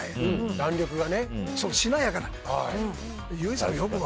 弾力がね、しなやかなんです。